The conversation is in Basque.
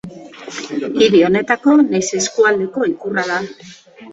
Hiri honetako nahiz eskualdeko ikurra da.